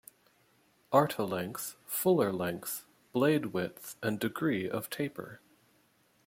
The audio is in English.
Artilength, fuller length, blade width and degree of taper.